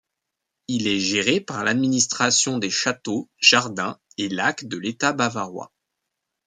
Il est géré par l'administration des châteaux, jardins et lacs de l'état bavarois.